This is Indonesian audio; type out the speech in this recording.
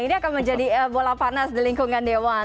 ini akan menjadi bola panas di lingkungan dewan